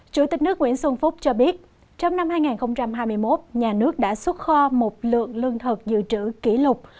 chủ tịch nước nguyễn xuân phúc cho biết trong năm hai nghìn hai mươi một nhà nước đã xuất kho một lượng lương thực dự trữ kỷ lục